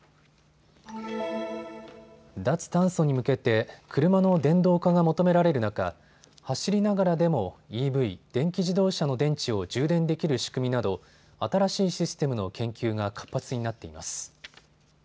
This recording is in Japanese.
脱炭素に向けて車の電動化が求められる中、走りながらでもＥＶ・電気自動車の電池を充電できる仕組みなど新しいシステムの研究が活発になっています。